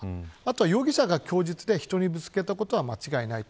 容疑者が供述で人にぶつけたこと間違いないと。